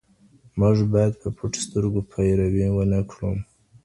موږ بايد په پټو سترګو پيروي ونه کړو.